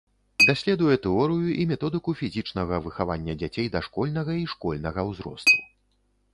Даследуе тэорыю і методыку фізічнага выхавання дзяцей дашкольнага і школьнага ўзросту.